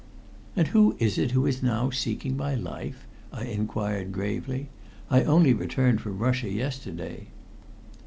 "And who is it who is now seeking my life?" I inquired gravely. "I only returned from Russia yesterday."